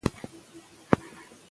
پغمان د کابل ښکلی سيمه ده